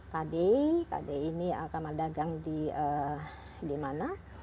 kdi kdi ini agama dagang di mana